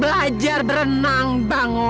belajar berenang bango